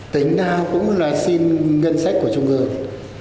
tỉnh nào cũng là xin ngân sách của trung ương